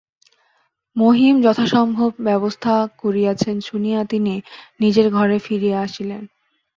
মহিম যথাসম্ভব ব্যবস্থা করিয়াছেন শুনিয়া তিনি নিজের ঘরে ফিরিয়া আসিলেন।